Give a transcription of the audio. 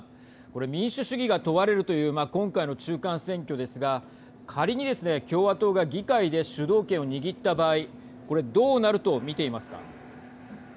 これ民主主義が問われるという今回の中間選挙ですが仮にですね、共和党が議会で主導権を握った場合これどうなると見ていますか。